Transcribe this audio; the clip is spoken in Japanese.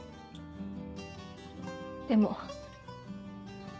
でも。